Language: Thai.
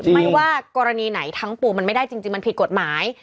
ไม่ว่ากรณีไหนทั้งปูมันไม่ได้จริงมันผิดกฎหมาย